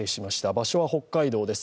場所は北海道です。